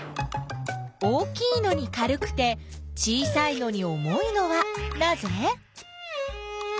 大きいのに軽くて小さいのに重いのはなぜ？